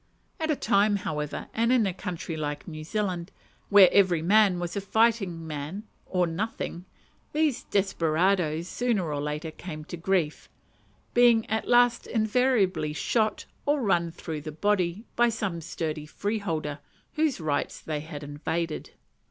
At a time, however, and in a country like New Zealand, where every man was a fighting man or nothing, these desperadoes, sooner or later, came to grief; being at last invariably shot, or run through the body, by some sturdy freeholder, whose rights they had invaded.